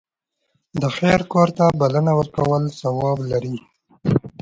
د خیر کار ته بلنه ورکول ثواب لري.